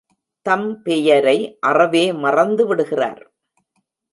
தம் பெயரை அறவே மறந்து விடுகிறார்.